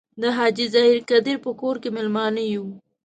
د حاجي ظاهر قدیر په کور کې میلمانه یو.